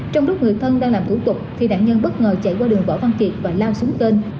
trong lúc người thân đang làm thủ tục thì nạn nhân bất ngờ chạy qua đường võ văn kiệt và lao xuống tên